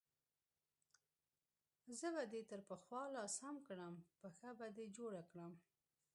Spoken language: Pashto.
زه به دې تر پخوا لا سم کړم، پښه به دې جوړه کړم.